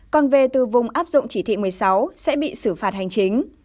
còn về từ vùng áp dụng chỉ thị một mươi sáu sẽ bị xử phạt hành chính